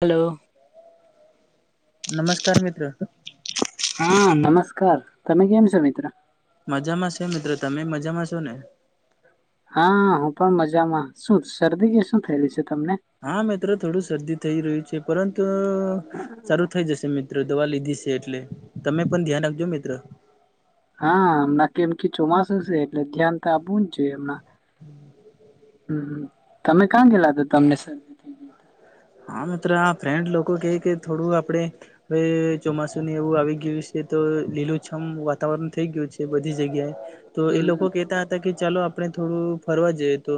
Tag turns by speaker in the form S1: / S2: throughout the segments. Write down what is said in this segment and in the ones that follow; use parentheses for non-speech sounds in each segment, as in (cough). S1: Hello.
S2: નમસ્કાર મિત્રો.
S1: હા નમસ્કાર તમે કેમ છો મિત્ર.
S2: મજામાં છે મિત્રો તમે મજામાં છો ને?
S1: હા હું પણ મજામાં શું શરદી કે શું થયલુ છે તમને?
S2: હા મિત્રો થોડું શરદી થઈ રહ્યું છે પરંતુ સારું થઈ જશે મિત્ર. મિત્રો દવા લીધી છે એટલે, તમે પણ ધ્યાન રાખજો મિત્રો.
S1: હા હમણા કેમ કે ચોમાસું છે એટલે ધ્યાન તો આપવું જ જોઈએ હમણાં. હમ તમે કં ગેલા ત તમને થઈ ગઈ તા?
S2: હા મિત્ર આ ફ્રેન્ડ લોકો કે કે થોડું આપડ હવે ચોમાસું એવું આવી ગયું છે તો લીલુંછમ વાતાવરણ થઈ ગયું છે બધી જગ્યાએ. તો એ લોકો
S1: હમ
S2: કેહેતા હતા કે ચાલો આપણે થોડું ફરવા જઈએ તો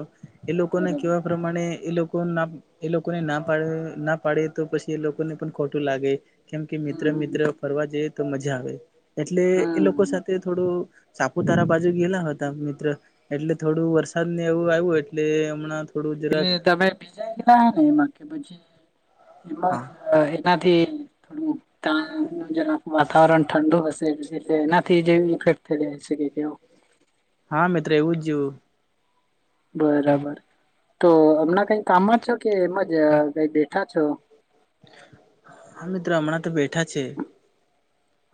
S2: એ લોકોને
S1: બરાબર
S2: કેવા પ્રમાણે એ લોકો ના એ લોકોને નામ ના પાડે તો પછી એ લોકોને પણ ખોટું લાગે, કેમ કે મિત્ર
S1: હમ
S2: મિત્ર ફરવા જઈએ તો મજા આવે, એટલે એ લોકો
S1: હમ
S2: સાથે થોડું સાપુતારા બાજુ ગેલા હતા મિત્ર, એટલે થોડું વરસાદ ને એવું આવ્યું એટલે હમણાં થોડું
S1: એટલે
S2: જરાક
S1: તમે ભીજા ગલા હે ને એમાં કે પછી, એમાં જ.
S2: હા
S1: એનાથી થોડું ત જે વાતાવરણ ઠંડુ હશે એ એનાથી જે ઇફેક્ટ થઈ જાય છેવ.
S2: હા મિત્ર એવું જ.
S1: બરાબર, તો હમણાં કઈ કામમાં જ છો કે એમ જ કઈ બેઠા છો?
S2: હા મિત્ર હમણાં તો બેઠા છે.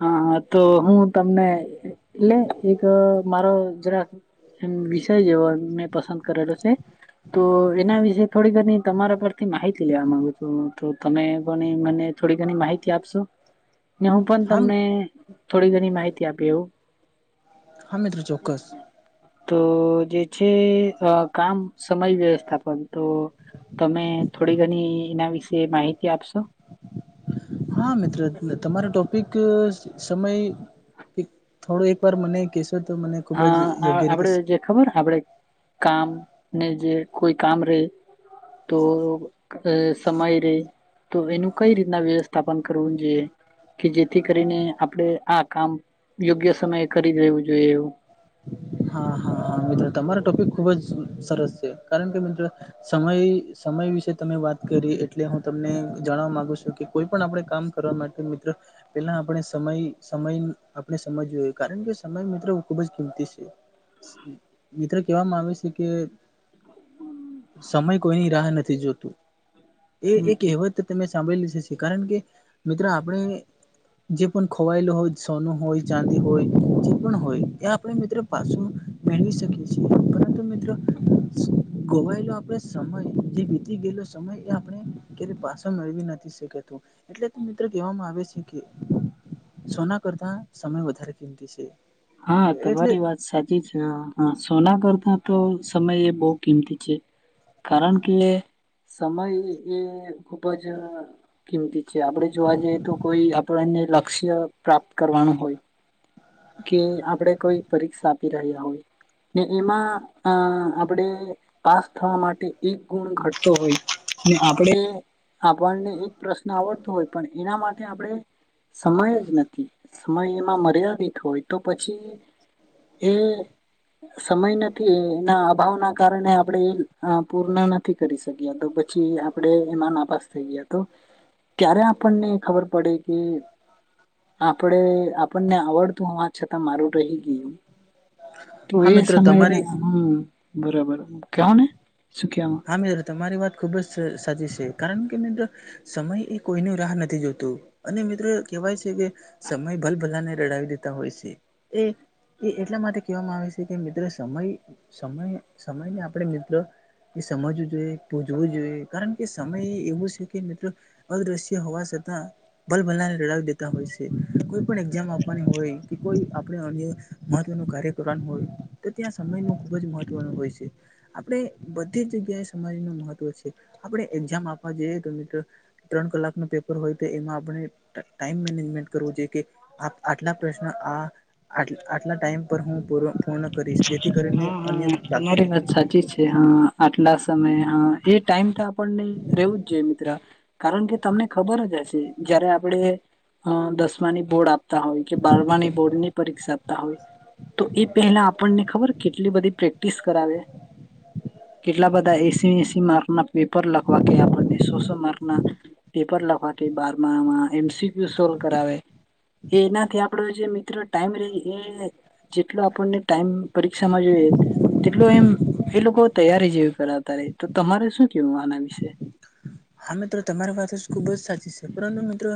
S1: હા તો હું તમને લે એક મારો જરાક એમ વિષય જેવો મેં પસંદ કરેલો છે. તો એના વિશે થોડી ઘની તમારા પરથી માહિતી લેવા માંગુ છું તો તમે કોની મને થોડી ઘણી માહિતી આપશો? હું પણ
S2: હા
S1: તમને થોડી ઘણી માહિતી આપી હું.
S2: હા મિત્ર ચોક્કસ
S1: તો જે છે કામ સમય વ્યવસ્થા પણ તો તમે થોડી ઘણી એના વિશે માહિતી આપશો?
S2: હા મિત્ર, તમરો ટોપિક સમય ક થોડું એક બાર મને કેશો તો મને ખુબ
S1: હા
S2: જ
S1: આ
S2: યોગ્ય રીતે
S1: આપડે જે ખબર આપડે કામ ને જે કોઈ કામ રે તો અ સમય રેય, તો એનું કઈ રીતના વ્યવસ્થાપન કરવુ જોઈએ. કે જેથી કરીને આપણેે આ કામ યોગ્ય સમયે કરી દેવુ જોઈએ એવુ.
S2: હા હા હા મિત્ર તમારો ટોપિક ખુબ જ સરસ છે, કારણ કે મિત્ર સમય સમય વિશે તમે વાત કરી એટલે હું તમને જણવા માગુ સુ કે કોઈ પણ આપણેે કામ કરવા માટે મિત્ર પેહલા આપણે સમય સમય આપડે સમજોયે કારણ કે, સમય મિત્રો ખુબ જ કિમતી છે. મિત્ર કેવામાં આવે સે કે, સમય કોઈની રાહ નથી જોતું. એ એક કેહેવત ત તમે સાંભલી જ હસે કારણ કે, મિત્ર આપણે, જે પણ ખોવાયેલું હોય, સોનુ હોય, ચાંદી હોય, જે પણ હોય એ આપડે મિત્ર પાસુ મેળવી સકીએ છીએ, પરંતુ મિત્ર ગોવાયેલો આપણે સમય જે વીતી ગેલો સમય એ આપડે કેયારે પાસો મેળવી નથી સકેતો એટલે ત મિત્ર કેવામાં આવે છે કે સોના કરતા સમય વધારે કિંમતી છે.
S1: હા,
S2: એટલે
S1: તમારી વાત સા ચી છે. અ અ સોના કરતા તો સમય એ બઉ કિંમતી છે. કારણ કે, સમય એ ખુબ જ કિમતી છે. આપડે જોવા જઈએ તો કોઈ આપણને લક્ષ્ય પ્રાપ્ત કરવાનું હોય. કે આપડે કોઈ પરીક્ષા આપી રહ્યા હોય. ને એમાં અ આપડે પાસ થવા માટે એક ગુણ ઘટતો હોય. આપડણેે આપણને એક પ્રશ્ન આવડતો હોય પણ એના માટે આપણે સમય જ નથી. સમય એમાં મર્યાદિત હોય તો પછી એ... સમય નથી, એના અભાવ ના કારણે આપડણેે પૂર્ણ નથી. કરી શક્યા તો પછી આપડે એમાં નાપાસ થઈ ગયા તો ક્યારે આપણને ખબર પડે કે આપડે આપણને આવડતું હોવા છતાં મારું રહી ગીયું. તો
S2: હા
S1: એ
S2: મિત્રો
S1: સમયે
S2: તમારે
S1: હમ, બરાબર. કહો ને સુ કિયામાં
S2: હા મિત્ર, તમારી વાત ખૂબ જ સ સાજી સે. કારણ કે મિત્ર, સમય એ કોઈનુ રાહ નથી જોતું. અને મિત્ર કેવાય સે કે, સમય ભલ ભલાને રડાવી દેતા હોય છે. એ એ એટલા માટે કેવામાં આવે સે કે, મિત્ર સમય સમય સમયને આપણે મિત્ર એ સમજવું જોઈએ પૂજવું જોઈએ કારણ કે, સમય એ એવું સે કે મિત્ર અદૃશ્ય હોવા સતાં ભલ ભલાને લડાવી દેતા હોય સે. કોઈ પણ એક્જામ આપવાની હોય, કે કોઈ આપણે અન્ય મહત્વનુ કાર્ય ધોરણ હોય, તો ત્યાં સમય નો ખૂબ જ મહત્વનુ હોય સે આપણે બધી જગ્યાએ સમાજ નુ મહત્વ છે, આપણે એક્જામ આપવા જઈએ, તો મિત્રો ત્રણ કલાક નુ પેપર હોય તો એમાં આપણે ટાઈમ મેનેજમેન્ટ કરવું જોયે કે, આ આટલા પ્રશ્ન આ આટ આટલા ટાઈમ પર હું પૂ પૂર્ણ કરીસ. જેથી કરીને અન્ય બાકી રહે
S1: ચી છે હ આટલા સમયે હ એ ટાઈમ તો આપણને રેહવું જ જોઈએ મિત્ર. કારણ કે તમને ખબર જ હશે જયારે આપડે અ દસમાની બોર્ડ આપતા હોય કે બારમાની બોર્ડ ની પરીક્ષા આપતા હોય. તો એ પહેલા આપણને ખબર કેટલી બધી પ્રેક્ટિસ કરાવે. કેટલા બધા એસીં એસીં માર્ક ના પેપર લખવા કે આપણને સો સો માર્ક ના. પેપર લખવા કે બારમા માં એમસીક્યુ સોલ કરાવે. એનાથી આપડો જે મિત્ર ટાઈમ રેય એ જેટલો આપણને, ટાઈમ પરીક્ષામાં જોએ, તેટલો એમ એ લોકો તૈયારી જેવી કરતા રેય તો તમારે શું કેવું આના વિશે?
S2: હા મિત્ર તમારી વાત જ ખુબ જ સાચી છે પરંતુ મિત્ર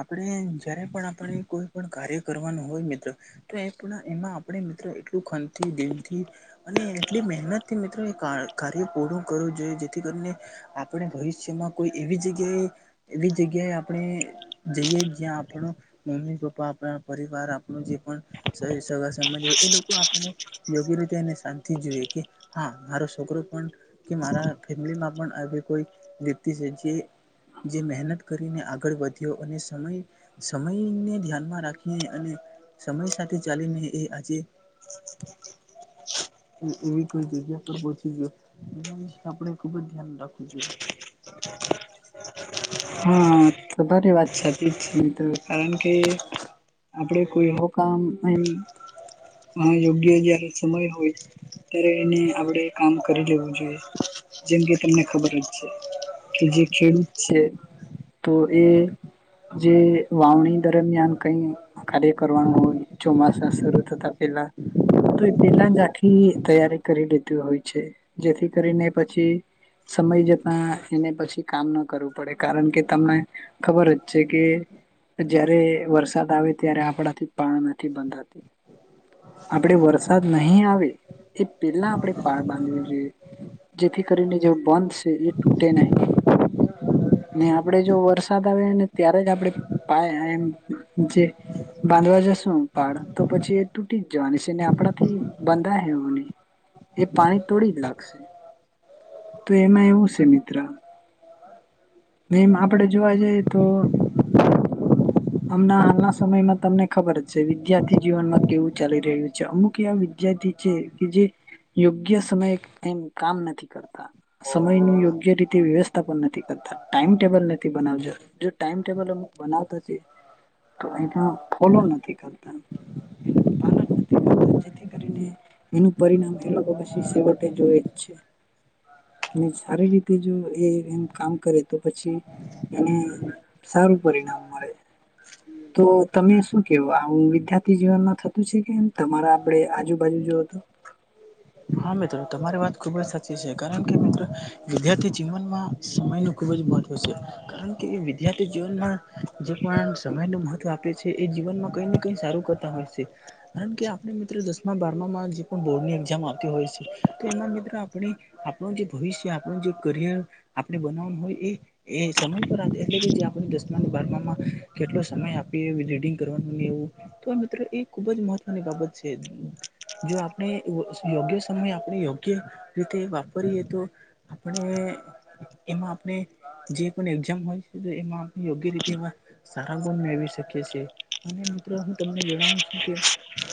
S2: આપણે જયારે પણ આપણે કોઈ પણ કાર્ય કરવાનું હોય મિત્ર. તો એ પણ એમાં આપણે મિત્ર એટલું ખનથી દિનથી. અને એટલી મહેનતથી મિત્ર એ કા કાર્ય પૂર્ણું કરવું જોઈએ, જેથી કરીને આપણે ભવી જેમાં કોઈ એવી જગ્યાએ, એવી જગ્યાએ આપણે જઈએ જ્યાં આપણો, મમ્મી પપ્પા આપણા પરિવાર આપણો જે પણ સહી સગા સંબંધીઓ એ લોકો આપણે યોગ્ય રીતે અને શાંતિ જોઈએ, કે હા મારો છોકરો પણ કે મારા ફેમલીમાં પણ આવી કોઈ વ્યક્તિ છે જે જે મહેનત કરીને આગળ વધ્યો અને સમય સમયને ધ્યાનમાં રાખીને અને, સમય સાથે ચાલીને એ આજે
S1: (inaudible)
S2: એવી કોઈ જગ્યા પર પહોંચીને, એના વિશે આપણે ખુબ જ ધ્યાન રાખવું જોઈએ. (inaudible)
S1: હા તમારી વાત સાચી છે મિત્ર. કારણ કે, આપડે કોઈ એવું કામ એમ હ યોગ્ય જયારે સમય હોય. ત્યારે એને આપડે કામ કરી લેવું જોઈએ, જે અંગે તમને ખબર જ છે. કે જે ખેડૂત છે. તો એ, જે વાવણી દરમિયાન કઈ કાર્ય કરવાનું હોય ચોમાસા શરૂ થતા પેલા. તો એ પેલા જ આખી તૈયારી કરી લીધુ હોય છે, જેથી કરીને પછી. સમય જતા એને પછી કામ ન કરવું પડે કારણ કે તમે ખબર જ છે કે જયારે વરસાદ આવે ત્યારે આપડાથી પાળ નથી બંધાતી. આપડે વરસાદ નહીં આવે એ પેલા આપડે પાળ બાંધવી જોઈએ. જેથી કરીને જે બંધ છે એ તૂટે નહી, ને આપ પડે જો વરસાદ આવેને ત્યારે જ આપડે પાય એમ જે બાંધવા જશું પાડ તો પછી એ તૂટી જ જવાની છે ને આપડાથી બાંધાહે હો ની. એ પાણી તોડી જ લાગશે, તો એમાં એવું છે મિત્ર. એમ આપડે જોવા જઈએ તો. હમના હાલના સમયમાં તમને ખબર જ છે વિદ્યાર્થી જીવનમાં કેવું ચાલી રહ્યું છે અમુક એવા વિદ્યાર્થી છે કે જે યોગ્ય સમયે એમ કામ નથી કરતા. સમય નું યોગ્ય રીતે વ્યવસ્થાપન નથી કરતા. ટાઈમ ટેબલ નથી બનાવતા જો ટાઈમટેબલ અમ બનાવતા છે. તો એના ફોલો નથી કરતા એનું પાલન નથી કરતા. જેથી કરીને, એનું પરિણામ એ લોકો પછી શવટે જોય જ છે. અને સારી રીતે જો એ એમ કામ કરે. તો પછી, એને સારું પરિણામ મળે. તો તમે શું કેવો આવું વિદ્યાર્થી જીવનમાં થતું છે કે એમ તમારા આપડે આજુબાજુ જોવો તો.
S2: હા મિત્ર તમારી વાત ખુબ જ સાચી છે કારણ કે મિત્ર, વિદ્યાર્થી જીવનમાં સમયનું ખુબ જ મહત્વ છે, કારણ કે વિદ્યાર્થી જીવનમાં જે પણ સમયનું મહત્વ આપ પે છે એ જીવનમાં કઈ ને કઈ સારું કરતા હોય સે. કારણ કે આપણે મિત્ર દસમા બારમામાં જે પણ બોર્ડ ની એક્ઝામ આપ તી હોય છે તો એમાં મિત્ર આપણી આપણું જે ભવિષ્ય આપણું જે કરીયર આપણે બનવાનું હોય એ એ સમય પર એટલે કે જે આપને દસમા બારમા માં કેટલો સમય આપી રીડિંગ કરવાનું ને એવું તો મિત્રો એ ખુબ જ મહત્વની બાબત છે જો આપણે અ યોગ્ય સમયે આપણે યોગ્ય રીતે વાપરીએ તો આપણે એમાં આપણે જે પણ એક્ઝામ હોય છે એમાં યોગ્ય રીતેમાં સારા ગુણ મેળવી શકીએ છીએ. અને મિત્રો હું તમને જણાવું છું કે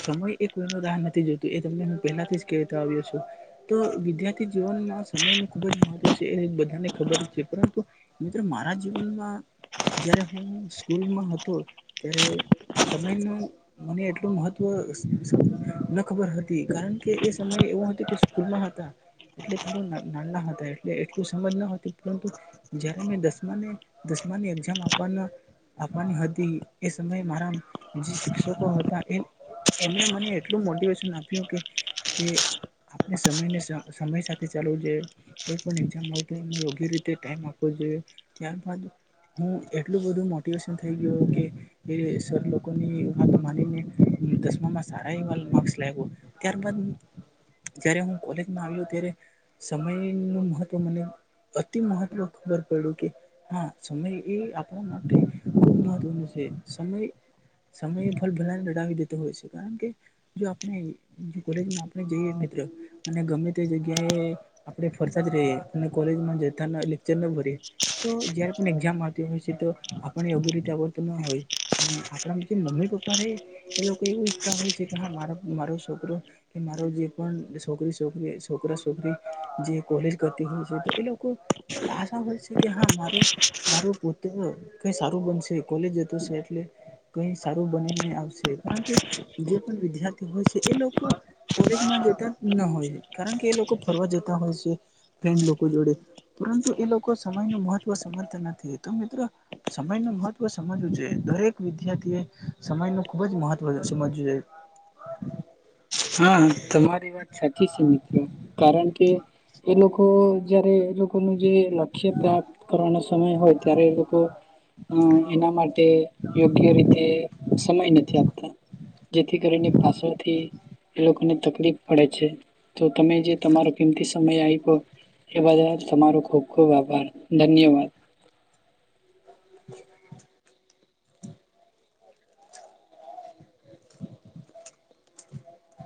S2: સમય એ કોઈનો રાહ નથી જોતો એ તમને હું પહેલાથી જ કેતો આવ્યો છું. તો વિદ્યાર્થી જીવનમાં સમય નુ ખુબ જ મહત્વ છે એ બધાને ખબર જ છે પરંતુ મિત્રો મારા જીવનમાં જયારે હું સ્કૂલમાં હતો ત્યારે સમયનું મને એટલું મહત્વ સ ન ખબર હતી કારણ કે કે એ સમયે એવું હતું કે સ્કૂલ માં હતા. એટલે કે નાના હતા એટલે એટલું સમજ ન હતી પરંતુ જયારે મેં દસમાની દસમાની એક્ઝામ આપવાનો આપવાની હતી એ સમયે મારા જે શિક્ષકો હતા એ એમણે મને એટલું મોટિવેશન આપ્યું કે કે આપણે સમય ને સમય સાથે ચાલવું જોઈએ. કોઈ પણ એક્ઝામ હોય તો એમાં યોગ્ય રીતે ટાઇમ આપવો જોઈએ ત્યાર બાદ હું એટલું બધું મોટિવેશન થઈ ગયો કે એ સર લોકો ની વાતો માનીને દસમામાં સારા એવા માકર્સ લાયવો. ત્યારબાદ જયારે હું કોલેજમાં આવ્યો ત્યારે સમય નું મહત્વ મને અતિ મહત્વ ખબર પયડુ કે હા સમય એ આપણા માટે ખૂબ મહત્વનું છે સમય સમય ભલ ભલાને લડાવી દેતો હોય છે કારણ કે જો આપણે કોલેજમાં આપણે જઈએ મિત્ર અને ગમે તે જગ્યાએ આપણે ફરતા જ રહયે અને કોલેજમાં જતા ન એટલે (unintelligible) નો ઊભા રેય તો જયારે પણ એક્ઝામ તે વિશે તો આપણે યોગ્ય રીતે આવડતું ન હોય અને આપણા લીધે મમ્મી પપ્પા ને એ લોકો એવું ઈચ્છતા હોય છે કે હા મારો મારો છોકરો કે મારો જે પણ સોકરી છોકરી જે કોલેજ કરતી હોય છે એ લોકો આશા હોય છે કે હા મારુ મારો પુત્રો કઈ સારું બનશે કોલેજ જતો હશે એટલે કઈ સારું બનીને આવશે પરંતુ જે પણ વિદ્યાર્થી હોય છે કે એ લોકો કોલેજમાં જતા ન હોય કારણ કે એ લોકો ફરવા જતા હોય છે. ફેન્ડ લોકો જોડે પરંતુ એ લોકો સમય નુ મહત્વ સમજતા નથી તો મિત્રો સમય નું મહત્વ સમજવું જોઈએ. દરેક વિદ્યાર્થીઓ એ સમય નુ ખુબ જ મહત્વ સમજવું જોઈએ.
S1: હા તમારી વાત સાચી છે મિત્રો કારણ કે એ લોકો જયારે એ લોક લોકોનો જે લક્ષ્ય પ્રાપ્ત કરવાનો સમય હોય ત્યારે એ લોકો એના માટે તે યોગ્ય રીતે સમય નથી આપતા જેથી કરીને પાછળથી એ લોકને તકલીફ પડે છે જો તમે જે તમારો કિંમતી સમય આયપો એ બદલ તમારો ખુબ ખુબ આભાર ધન્યવાદ. (inaudible) (inaudible)